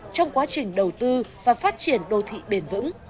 trong quá trình đầu tư và phát triển đô thị bền vững